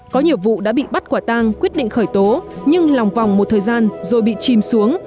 có nhiều vụ đã bị bắt quả tang quyết định khởi tố nhưng lòng vòng một thời gian rồi bị chìm xuống